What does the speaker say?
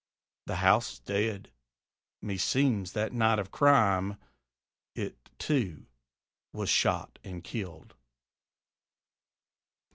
The house is dead; meseems that night of crime It, too, was shot and killed.